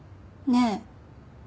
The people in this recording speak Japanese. ねえ。